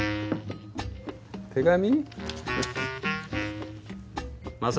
手紙？